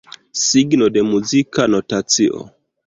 Signo de muzika notacio.